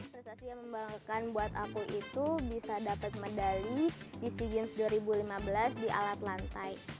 prestasi yang membanggakan buat aku itu bisa dapat medali di sea games dua ribu lima belas di alat lantai